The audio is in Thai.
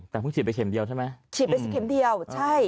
แต่เพิ่งฉีดไปเข็มเดียวใช่ไหมฉีดไปเข็มเดียวใช่